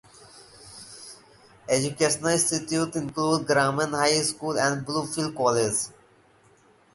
Educational institutions include Graham High School and Bluefield College.